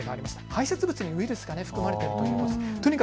排せつ物にもウイルスが含まれているということです。